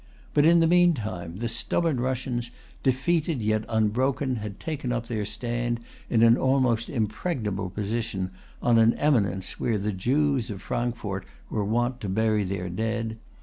But in the meantime, the stubborn Russians, defeated yet unbroken, had taken up their stand in an almost impregnable position, on an eminence where the Jews of Frankfort were wont to bury their dead.